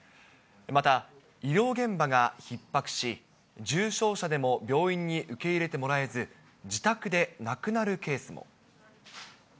また医療現場がひっ迫し、重症者でも病院に受け入れてもらえず、自宅で亡くなるケースも。